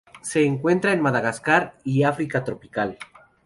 Se encuentra en Madagascar y África tropical.